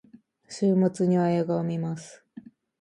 週末には映画を観ます。